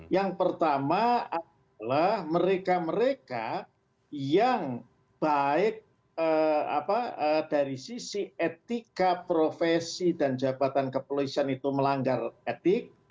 yang pertama adalah mereka mereka yang baik dari sisi etika profesi dan jabatan kepolisian itu melanggar etik